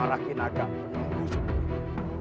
amarah kinagam penuh